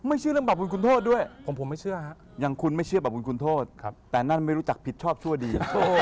เชื่อเรื่องบาปบุญคุณโทษด้วยผมไม่เชื่อฮะอย่างคุณไม่เชื่อบาปบุญคุณโทษแต่นั่นไม่รู้จักผิดชอบชั่วดี